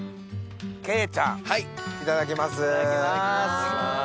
鶏ちゃんいただきます。